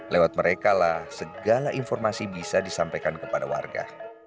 lewat merekalah segala informasi bisa disampaikan kepada warga